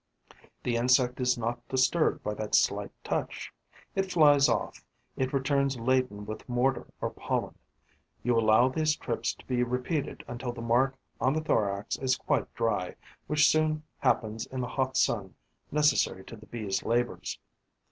The insect is not disturbed by that slight touch. It flies off; it returns laden with mortar or pollen. You allow these trips to be repeated until the mark on the thorax is quite dry, which soon happens in the hot sun necessary to the Bee's labours.